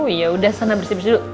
oh yaudah sana bersih bersih dulu